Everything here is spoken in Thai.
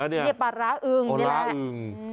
นี่ปลาร้าอึงนี่แหละ